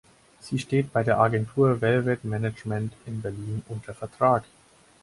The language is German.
Sie steht bei der Agentur "Velvet Management" in Berlin unter Vertrag.